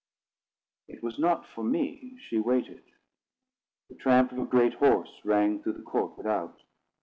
It was not for me she waited. The tramp of a great horse rang through the court without.